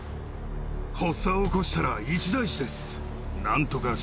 発作を起こしたら一大事です。